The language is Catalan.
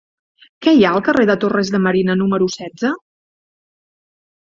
Què hi ha al carrer de Torres de Marina número setze?